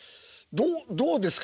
どうですか？